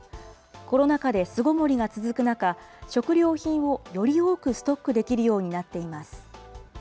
コロナ禍で巣ごもりが続く中、食料品をより多くストックできるようになっています。